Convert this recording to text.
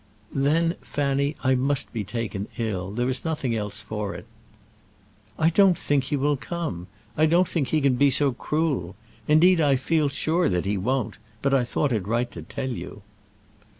"Then, Fanny, I must be taken ill. There is nothing else for it." "I don't think he will come. I don't think he can be so cruel. Indeed, I feel sure that he won't; but I thought it right to tell you."